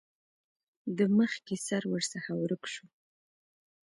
د مخکې سر ورڅخه ورک شو.